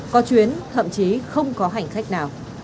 có chuyến thậm chí không có hành khách nào